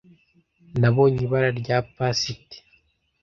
nabonye ibara rya pisite